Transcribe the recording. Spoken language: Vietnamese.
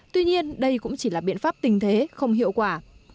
tuy nhiên đây cũng chỉ là biện pháp tình thế không hiệu quả